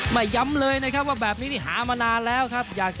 ย้ำเลยนะครับว่าแบบนี้นี่หามานานแล้วครับ